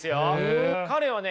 彼はね